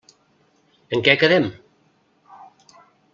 En què quedem?